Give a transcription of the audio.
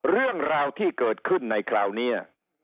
เรื่องราวที่เกิดขึ้นในคราวนี้